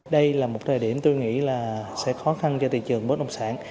đây là một thời điểm tôi nghĩ là sẽ khó khăn cho thị trường bất động sản